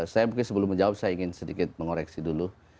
saya mungkin sebelum menjawab saya ingin sedikit mengoreksi dulu